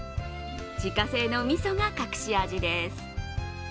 自家製のみそが隠し味です。